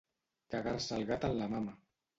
Cagar-se el gat en la mama.